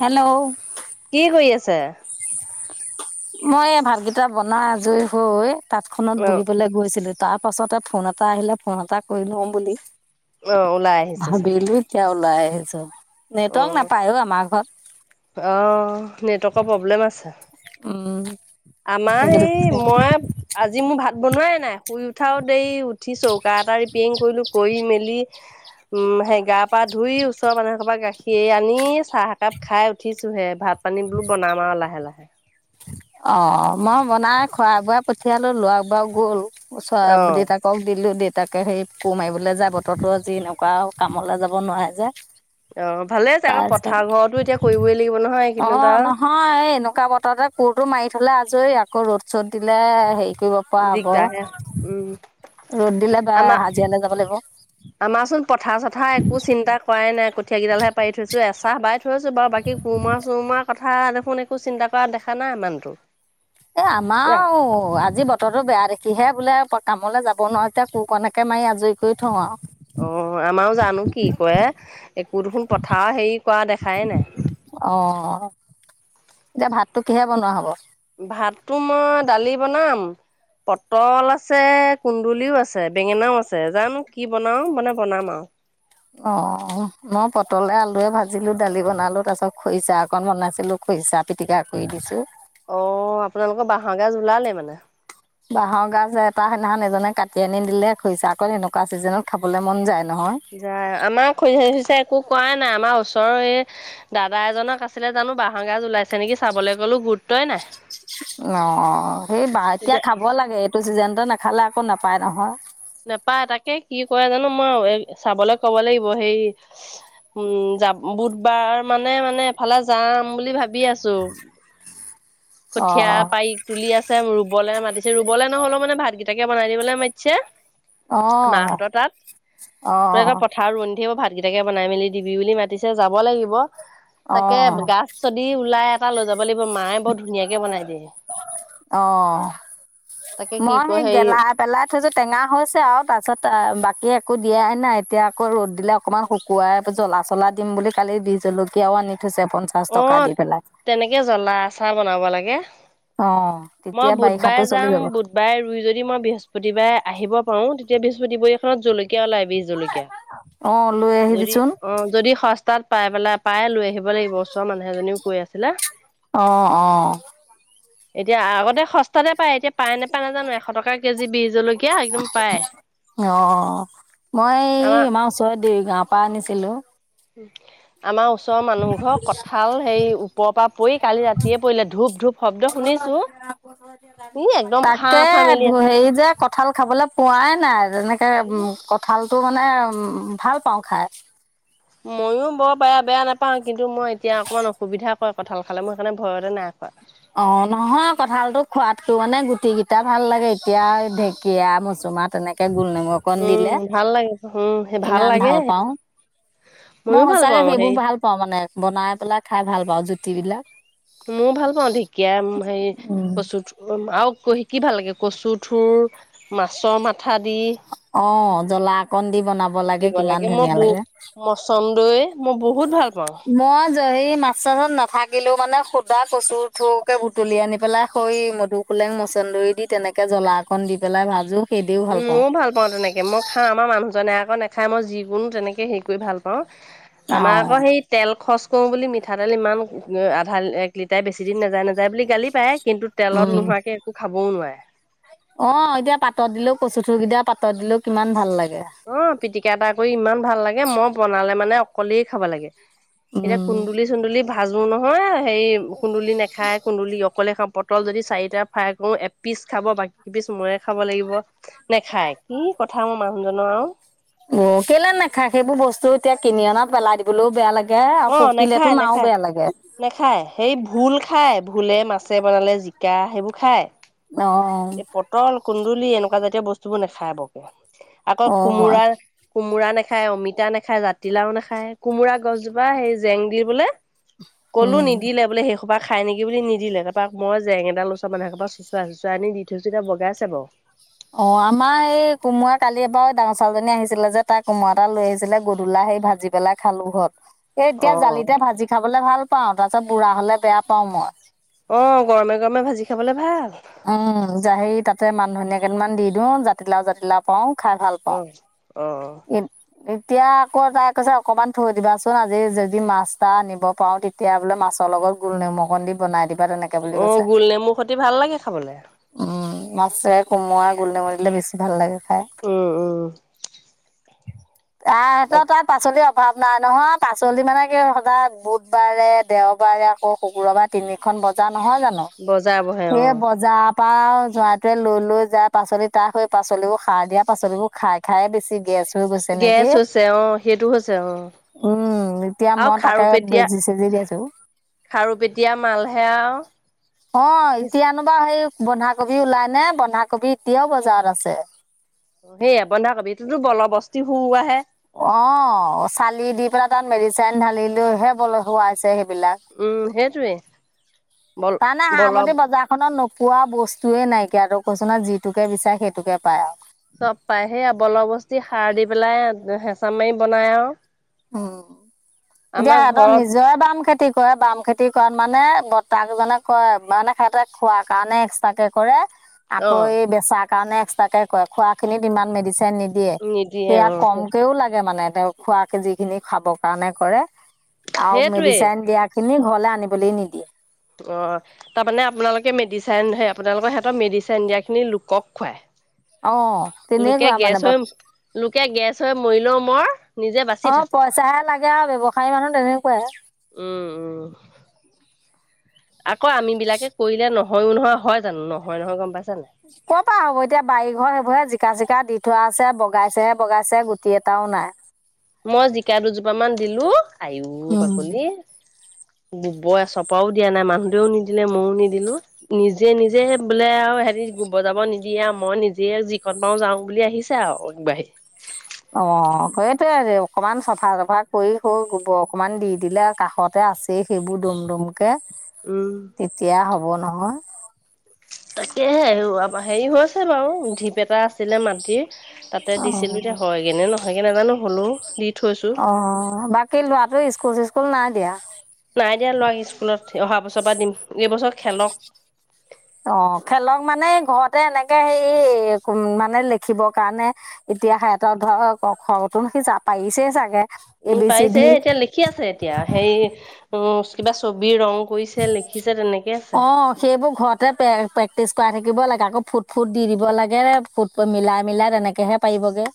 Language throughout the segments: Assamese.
হেল্ল'। কি কৰি আছে? মই এই ভাতকিটা বনাই আজৰি হৈ তাঁত খনত অ', বহিবলৈ গৈছিলো। তাৰ পাছতে ফোন এটা আহিলে ফোন এটা কৰি লওঁ বুলি অ', ওলাই আহিছে চাগে। ভাবিলো। এতিয়া ওলাই আহিছো নেটৱৰ্ক নাপাই অ', আমাৰ ঘৰত অ', নেটৱৰ্কৰ প্ৰব্লেম আছে। উম। আমাৰ সেই মই আজি মোৰ ভাত বনোৱাই নাই শুই উঠাও দেৰি, উঠি ছউকা এটা ৰিপেয়াৰিং কৰিলো কৰি মেলি উম সে গা পা ধুই ওচৰৰ মানুহৰ পৰা গাখীৰ আনি চাহ একাপ খাই উঠিছোহে ভাত পানী বোলো বনাম আৰু লাহে লাহে অ', মই বনাই খোৱাই বোৱাই পঠিয়ালো ল'ৰা বাৰু গ'ল অ', দেতাক পক দিলো দেউতাকে সেই কোৰ মাৰিবলৈ যায় বতৰতো আজি এনেকুৱা কামলৈ যাব নোৱাৰে যে অ', ভালে আছে আকৌ তাৰপিছত পথাৰবোৰতো এতিয়া কৰিবই লাগিব নহয় কিন্তু এইকেইদিনতে আও। অ', এই এনেকুৱা বতৰতে কোৰতটো মাৰি থ'লে আজৰি আকৌ ৰ'দ চ'দ দিলে হেৰি কৰিব পোৱা দিগদাৰহে, উম, হ'ব ৰ'দ দিলে বা হাজিৰা যাব লাগিব। আমাৰ চোন পথাৰ চথাৰ একো চিন্তা কৰাই নাই কঠীঁয়াকেইডালহে পাৰি থৈছোঁ এচাহ বাই থৈছো বাৰু বাকী কোৰমৰা চুৰমৰা কথা দেখোন একো চিন্তা কৰা দেখা নাই ইমানটোৰ। এ আমাৰো, আজি ব বতৰো বেয়া দেখিহে বোলে কামলৈ যাব নোৱাৰো এতিয়া কুৰকণকে মাৰি আজৰি কৰি থওঁ আৰু। অ', আমাৰো জানো কি কয় একো দেখোন পথাৰ হেৰি কৰা দেখাই নাই। অ', এতিয়া ভাতটো কিহে বনোৱা হ'ব? ভাতটো মই দালি বনাম পটল আছে কুন্দুলিও আছে বেঙেনাও আছে জানো কি বনাও মানে বনাম আৰু। অ মই পটলে আলুৱে ভাজিলো দালি বনালো তাৰ পাছত খৰিচা অকন বনাইছিলো। খইচা পিটিকা কৰি দিছোঁ। অ আপোনালোকৰ বাঁহৰগাজ ওলালে মানে বাঁহৰ গাজ এটা সেইদিনাখন এজনে কাটি আনি দিলে খৰিচাক এনেকুৱা ছিজনত খাবলৈ মন যায় নহয়। যায় আমাৰ খৰিচা চৰিচা একো কৰা নাই আমাৰ ওচৰৰ এই। দাদা এজনক আছিলে জানো বাঁহৰ গাজ ওলাইছে নেকি চাবলৈ কলো গুৰুত্বই নাই। অ অ সেই বা এতিয়া খাব লাগে এইটো চিজনতে নাখালে আকৌ নাপায় নহয়। নেপায় তাকে কি কৰে জানো মই চাবলৈ কব লাগিব হেই। উম যাম বুধবাৰ মানে মানে এফালে যাম বুলি ভাবি আছো। কঠীয়া পাৰি তুলি আছে ৰুবলৈ মাতিছে ৰুবলৈ নহলেও মানে ভাতকেইটাকে বনাই দিবলৈ মাতিছে। অঁ অঁ মাহঁতৰ তাত অঁ [unintelligible] পথাৰত ৰুৱণি থাকিব ভাত। ভাত গেইটাকে বনাই মেলি দিবি বুলি মাতিছে যাব লাগিব তাকে অ', গাজ যদি ওলাই। এটা লৈ যাব লাগিব মায়ে বৰ ধুনীয়াকে বনাই দিয়ে। অ তাকে কি মই কয় সেই হেৰি গেলা। পেলাই থৈছো টেঙা হৈছে আৰু পাছত বাকী একো দিয়াই নাই এতিয়া আকৌ ৰ'দ দিলে। অকণমান শুকুৱাই জ্বলা চলা দিম বুলি কালি বিজলকীয়াও আনি থৈছে পঞ্চাছ টকা অ' দি পেলাই। তেনেকে জ্বলা আচাৰ বনাব লাগে। অ তেতিয়া বাৰিষাতো চলি যাব। বাই ৰুই যদি মই বৃহস্পতিবাৰে আহিব পাৰো তেতিয়া বৃহস্পতিবৰীয়া খনত জলকীয়া ওলাই বি জলকীয়া। অ', লৈ যদি আহিবিচোন অ যদি সস্তাত। পাই পেলাই পাই লৈ আহিব লাগিব ওচৰৰ মানুহ এজনীও কৈ আছিলে। অ', অ', এতিয়া আগতে সস্তাতে পায় এতিয়া পায় নেপায় নাজানো এশ টকা কেজি বি জলকীয়া। একদম পায়। অ মই এ আমাৰ ওচৰত আমাৰ দেউৰী গাঁৱৰ পৰা আনিছিলো। আমাৰ ওচৰৰ মানুহ ঘৰ কঁঠাল হেৰি ওপৰৰ পৰা। পৰি কালি ৰাতিয়ে পৰিলে ধূপ ধূপ শব্দ [unintelligible] শুনিছো ই একদম ফাঁ কে ফাঁ মেলি আছে। হেৰি যে ক। কঁঠাল খাবলৈ পোৱাই নাই যেনেকে কঁঠালটো মানে ভাল পাওঁ খাই। ময়ো বৰ বেয়া বেয়া নাপাওঁ কিন্তু মই এতিয়া অকণমান অসুবিধা। হয় কঁঠাল খালে মই সেইকাৰণে ভয়তে নাই খোৱা। অ নহয় কঁঠালতো খোৱাতকৈ মানে গুটি কেইটা ভাল লাগে এতিয়া ঢেঁকীয়া মচুমাহ তেনেকে। গোল নেমু। অকণ দিলে উম ভাল লাগে উম সেই ইমান লাগে ভাল সেইটো পাওঁ মই ময়ো ভাল সঁচাকে পাওঁ সেইবোৰ হেৰি ভাল। পাওঁ মানে বনাই পেলাই খাই ভাল পাওঁ জুতি বিলাক। মও ভাল পাওঁ ঢেঁকীয়া হেৰি উম। কচুথু। অ আৰু কি ভাল লাগে কচু থুৰ মাছৰ মাথা দি। অ জ্বলা অকণ দি বনাব দিব কিমান লাগে মই ধুনীয়া বহু মচন্দই মই বহুত ভাল পাওঁ। মই। হেৰি মাছ নাথাকিলেও মানে সুদা কচু থুকে বুটলি আনি পেলাই সৈ মধু পোলেং মচন্দৰী দি তেনেকে জ্বলা অকণ দি পেলাই ভাজো। মইও ভাল পাওঁ তেনেকে মই খাওঁ আমাৰ মানুহজনে আকৌ নেখাই মই যিকোনো তেনেকে হেৰি কৰি ভাল পাওঁ। অ আমাৰ আকৌ সেই তেল খৰচ কৰোঁ বুলি মিঠাতেল ইমান আধা এক লিটাৰে বেছি দিন নাযায় নাযায় বুলি গালি পাৰে। কিন্তু তেলত উম নোহোৱাকে একো খাবও নোৱাৰে। অ', এতিয়া পাতত দিলেও কচুথোৰ কেইটাৰ পাতত দিলেও কিমান ভাল লাগে। অ', পিটিকা এটা কৰি ইমান ভাল লাগে মই বনালে মানে অকলেই খাব লাগে। এতিয়া উম। কুন্দুলি চুন্দুলি ভাজো নহয় হেৰি কুন্দুলি নেখাই কুন্দুলি অকলে খাওঁ পট পটল যদি চাৰিটা ফ্ৰাই কৰো এপিচ খাব বাকী পিচ ময়ে খাব লাগিব। নেখায় কি কথা মোৰ মানুহজনৰ আৰু। উম, কেলে নাখায় সেইবোৰ বস্তু এতিয়া কিনি অনাাত পেলাই দি বোলেও বেয়া লাগে আৰু অ' পকিলটো নেখায় আৰু নেখায়। বেয়া লাগে। নেখায় সেই ভুল খায় ভোলে মাছে বনালে জিকা সেইবোৰ খায়। অ'। এই পটল কুন্দুলি এনেকুৱা জাতীয় বস্তুবোৰ নাখায় বকে আকৌ অ কোমোৰা কোমোৰা নাখায় অমিতা নাখায় জাতিলাও নাখায় কোমোৰা গছজোপা সেই জেং দি বোলে ক'লো উম। নিদিলে বোলে কোবাক খাই নেকি বুলি নিদে কোাৰ মই জেং এডাল লোকৰ মানুহ কবাৰ চোচৰাই চোচৰাই আনি দি থৈছোতিয়াগাইছে বাৰু। অ', আমাৰ এই কোমোৰা কালি এবাৰ ডাঙৰ ছাাললজনী আহিছিলে যে তাই কোমোৰা এটা লৈ আহিছিলে গধূলা হেই ভাজি বেললে খালো হত এ এতিয়া অ জালিতে ভাজি খাবলে ভাল পাওঁ তাৰ পাছ বুঢ়া হলে বেয়া পাওঁ মই। অ', গৰমে গৰমে ভাজি খাবলে ভাল। উম, সেই তাতে মান ধনিয়া কেইদমান দি দিও জাতিলাও জাতিলাও পাওঁ খাই ভাল অ পাওঁ অ এ। এতিয়া আকৌ তাই কৈছে অকমান থৈ দিবাচোন আজি যদি মাছ তটা আনিব পাৰো তেতিয়া বোলে মাছৰ লগত গোল নমুক দি বাই দিবা তেনেকে। অ', গোল নেমুৰ খতি ভাল লাগে খাবলৈ। উম, মাছে কোমৰা গোল নেমু বেছি ভাল লাগে। উম উম তাৰপিছত আৰু পাচলি অভাৱ নাই নহয় পাচলি মানে কি সদায় বুধবাৰে দেওবাৰে আকৌ শুকুৰবাৰে তিনিখন বজাৰ নহয় জানো। বজাৰ বহে অ'। জাৰ পৰাা যৰাটোৱে লৈ লৈ যাই পাচলি তাক সেই পাচলিবোৰ সাৰ দিয়া পাচলিবোৰ খাই খাই বেছি গেচ গেছ হৈছে অ' সেইটো হৈছে অ'। উম, এতিয়া আৰু মই তাকে বেজি চেজি দি আছো। খাৰু পেটীয়া মালহে আৰু। অ', এতিয়ানো বা সেই বন্ধাকবি ওলাই নে বন্ধাকবি এতিয়াও বজাৰত আছে। অ', সেয়া বন্ধাকবি তটোতো বলৰ বস্তি হোৱাহে। অ', চালি দি পেলাই তাত মেডিচাইন ঢালিলৈহে বল হুৱাইছে সেইবিলাক। উম, সেইটোৱে তাৰমানে ব-বল হাৰামতি বজাৰখনত নোপোৱা বস্তুয়ে নাইকিয়া ত কৈছো ন যিটোকে বিচাৰে সেইটোকে পাই আৰু। চব পাই সেই বল বস্তি সাৰ দি পেলাই হেঁচা মাৰি বনাই আৰু। উম, এতিয়া আমাৰ সিহঁতৰ ঘৰত নিজৰে বাম খেতি খেতি কৰে বাম খেতি কৰাত মানে ব্তাকজনে কয় মানে খহতে খোৱা কাৰণে এক্সট্ৰাক কে কৰে। অ আকৌ বেচাৰ কাৰণে এক্সট্ৰাকে কৰে খোৱা খিনিত ইমান মেডিচিন নি দিয়ে নিদিয়ে সেয়া অ কমকেও লাগে মানে তেওঁ খোৱাকে যিখিনি খাবৰ কাৰণে কৰে। আৰু সেইটোৱে মেডিচাইন দিয়াখিনি ঘৰলে আনিবলৈ নিদিয়ে। অ'। তাৰমানে আপোনালোকে মেডিচাইন সেই আপোনালোকৰ সিহঁতৰ মেডচিন দিয়াখিনি লোকক খুৱায় অ তেনে লোকে কোৱা গেছ মানে হৈ বৰ লোকে গেছ হৈ মৰি লও মৰ নিজে বাচি অ থাকো পইচাহে লাগে আৰু ব্যৱসায়ী মানুহ তেনেকুৱাই উম উম আকৌ আম বিলাকে কৰিলে নহয়ো নহয় হয় জানো নহয় নহয় গম পাইছান ক পৰা হ'ব এতিয়া বাৰীঘৰ সেইবোৰৰেে জিকা চিকা দি থোৱা আছে বগাইছেহে বগাইছে গুটি এটাও নাই মই জিকা দুজোপা মান দিলো আয়ু উম। বাকলি গোবৰ চৰপাও দিয়া নাই মানুহতেও নিদিলে ময়ো নিদিলো নিজে নিজে বোলে আৰু হেৰিো বজাব নিদিয়ে মই নিজে জিকত পাৰ যাওঁ বুলি আহিছে আৰু অ বাহত অ সেইটোয়ে অকমান চফা চফা কৰি সৰু গোবৰ অকমান দি দিলে কাষত আছেই সেইবোৰ দম দমকে উম। তেতিয়া হব নহয় তাকেহে হেৰি হৈ আছে বাৰু ধীপ এটা আছিলে মাটিৰ তাতে দিছিলো যে অ', হয় কেনে নহয় কেে নাজানো হ'লো দি থৈছো। অ বাকী লৰাটো স্কুল চিস্কুল নাই দিয়া নাই দিয়া ল'ৰাৰাক স্কুলত অহা বছৰ পৰা দিম এইবছৰ খেলক অ খেলক মানে ঘৰতে এনেকে হে মানে লিখিবৰ কাৰণে এতিয়া সিহঁতৰ ধৰ ঘৰতো সি য পাৰিছেই চাগে এ উম বি চি পাইছে ডি এতিয়া লিখি আছে এতিয়া সেই উ কিবা ছবি ৰং কৰিছে লিখিছে তেনেকৈ আছে অ সেইবোৰ ঘৰত তাতেে প্ৰেক্টিচ কৰাই থাকিব লাগে আকৌ ফুট ফুট দি দিব লাগে ফুট মিলাই মিলাই তেনেকৈহে পাৰিবগৈ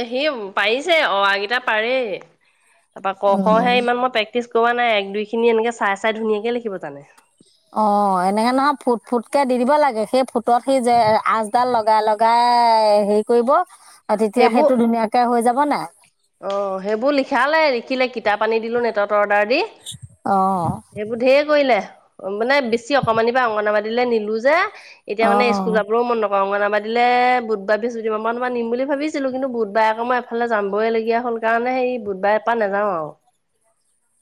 এ সি পাৰিছে অৱগিটা পাৰে তাৰপা ক উম। খহে ইমান মই প প্ৰেক্ি কৰা নাই এক দুইখিনি এনেকৈ চাই চাই ধুীয়াকৈ লিখিব জানে অ এনেকে নহয় ফুট ফুটকে দি দিব লাগে সেই ফুটত সি যে আচডাল লগাই লগাই এ হেৰি কৰিব তেতিয়া সেইবোৰ সেইটো ধুনীয়াকে হৈ যাব নাই অ সেইবোৰ লিখালে লিখিলে কিতাপ আনি দিলো নেটত অৰ্ডাৰ দি অ সেইবোৰ ধঢেৰ কৰিলে মানে বেছি অকমানি বা অংগনবাদীলৈ নিলো যে এতিয়া অ মানে সকুল যাবও মন অঙগনাবাদীলৈ বুধবাৰ বৃহসুতিবাৰমানাৰ নিম বুলি ভাবিছিলো কিন্তু বুধবাৰ আক মই এফালে যাম বইলগীয়া হ'ল কাৰণে সেই বুধবাৰে পৰা নাযাওঁ আৰু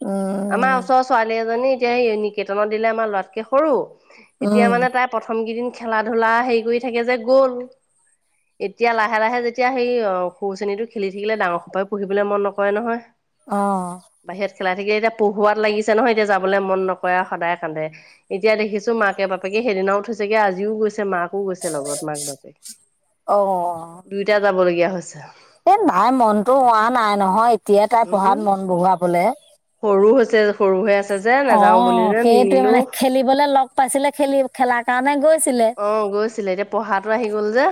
উম আমাৰ ওচৰ ছোৱাল এজনী এতিয়া সেই নিকেতনত দিলে আমাৰ লৰাকে সৰু এতিয়া উম মানে তাত প্ৰথম কেইদিন খেলা ধূলা হেৰি কৰি থাকে যে গ'ল এতিয়া লাহে লাহে যেতিয়া সেই অ খৰু চেনীতটো খেলি উিিকিলে ডাঙৰ সপাই পুহিবলৈন নকৰে নহয় অঁ বাহিৰত খেলাই থাকিলে এতিয়া পঢ়োৱাত লাগিছে নহয় এতিয়া যাবলৈ মন নকৰে আৰু সদায় কান্দে এতিয়া দেখিছো মাকে বাপেকে সেইদিনাও থৈছেগে আজিও গৈছে মাক কাকো গৈছে লগত মাক বাপেক অ দুইটা যাব লগগীয়া হৈছে এ নাই মনতো হোৱা নাই নহয় এতিয়াই তাই পঢ়াত উম মন বহুৱাবলে সৰু হৈছে সৰু হৈ আছে যে অ নাযাও বুলি যে সেইটোৱে নিনিলো মানে খেলিবলে লগ পাইছিলে খেলি খেলাৰ কাৰণে গৈছিলে তাতটো আহি গ'ল যে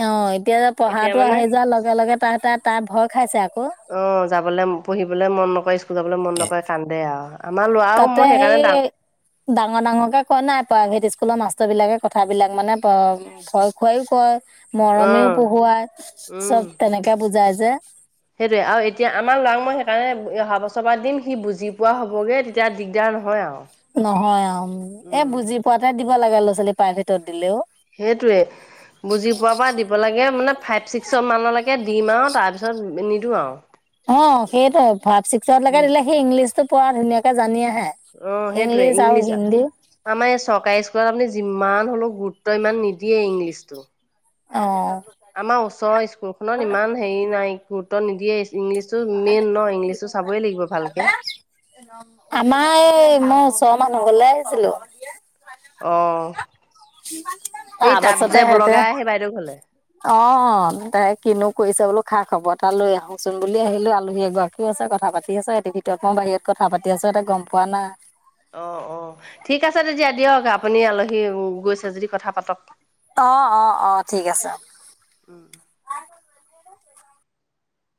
অ এতিয়া যে এতিয়া পঢ়াো মানে আহি যোৱাৰ লগে লগে তাহ তাত ভয় খাইছে আকৌ অ যাবলৈ পঢ়িবলে মন নকৰে স্কুল যাবলৈ মন নকৰে কান্দে আৰু আমাৰ ল'ৰাও তাতে মই সেই সেইকাৰণে ডাঙৰ ডাঙৰ ডাঙৰকে কোৱা নাই প্ৰাইভেট স্কুলৰ মাষ্টৰ বিলাকে কথাবিলাক মানে ভয় খুৱাইও কয় অ মৰমেও পোহুৱাই উম চব তেনেকে বুজাই যে সেইটোৱে আৰু এতিয়া আমাৰ ল'ৰাক মই সেইকাৰণে অহা বছৰপাত দিম সি বুজি পোৱা হ'বগৈ এতিয়া দিগদাৰ নহয় আৰু নহয় অ এ উম বুজি পোৱাতে দিব লাগে ল'ৰা ছোৱালী প্ৰাইভেটত দিলেও সেইটয়ে বুজি পোৱা বা দিব দিব লাগে মানে ফাইভ ছিক্স মানলৈকে দিম আৰু তাৰপিছত নিদিো আৰু অ সেইটো ভাইভ ছিক্সতকে দিলে সি ইংলিছ টো প ধুনীয়াকে জানি আহে অ সেইটোৱে ইংলিছ আৰু হিন্দী আমাৰ এই চৰকাৰী স্কুলত আপুনি যিমান হলো গুৰুত্ব ইমান নিদিয়ে ইংলিছতটো অ আমাৰ ওচৰৰ স্কুল খখনত ইমান হেৰি নাই গুৰুত্ব নিদিয়ে ইংলিছ মেইন ন ইংলিছটো চাবই লাগিব ভালকে আমাৰ এই মই ছ মানহ গলে আহিছিলো অ সেই তাত তাৰপাছতে যে সিহঁতে লগাই সেই বাইদেউক হলে অ তে কিনো কৰিছে বোলো খা খবৰ এটা লৈ আহোচোন বুলি আহিলো আলহীয়ে ঘৰত কি আছে কথা পাতি আছ এতিৰ ভিতৰত মই বাহিৰত কথা পাতি আছো এটা গম পোৱা নাই অ অ ঠিক আছে তেতিয়া দিয়ক আপুনি আলহী গৈছে যদি কথা পাতক অ অ অ ঠিক আছে